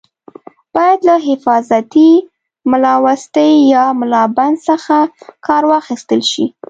باید له حفاظتي ملاوستي یا ملابند څخه کار واخیستل شي.